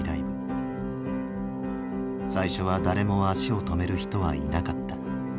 最初は誰も足を止める人はいなかった。